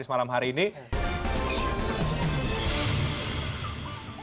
terima kasih banyak sudah hadir di program ini